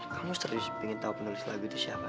kamu serius pengen tau penulis lagu itu siapa